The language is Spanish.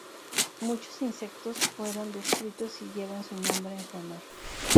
Muchos insectos fueron descritos y llevan su nombre en su honor.